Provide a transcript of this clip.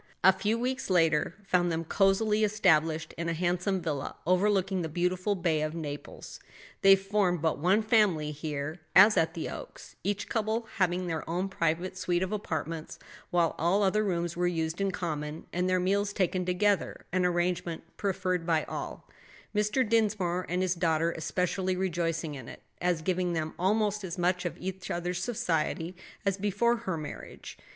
A few weeks later found them cozily established in a handsome villa overlooking the beautiful bay of Naples. They formed but one family here as at the Oaks; each couple having their own private suite of apartments, while all other rooms were used in common and their meals taken together; an arrangement preferred by all; Mr. Dinsmore and his daughter especially rejoicing in it, as giving them almost as much of each other's society as before her marriage.